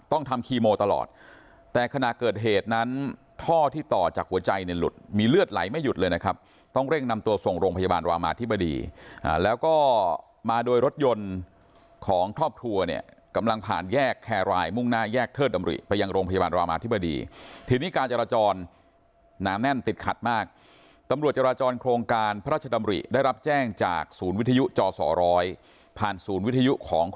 ต้องทำคีโมตลอดแต่ขณะเกิดเหตุนั้นท่อที่ต่อจากหัวใจในหลุดมีเลือดไหลไม่หยุดเลยนะครับต้องเร่งนำตัวส่งโรงพยาบาลรวามอธิบดีแล้วก็มาโดยรถยนต์ของทอบทัวร์เนี่ยกำลังผ่านแยกแครรายมุ่งหน้าแยกเทิดอำริไปยังโรงพยาบาลรวามอธิบดีที่นี่การจาราจรน้ำแน่นติดขัดมากตำรวจจาราจรโ